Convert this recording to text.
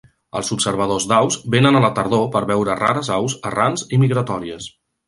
Els observadors d'aus venen a la tardor per veure rares aus errants i migratòries.